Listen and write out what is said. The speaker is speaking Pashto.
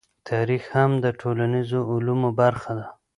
تاريخ هم د ټولنيزو علومو برخه ده.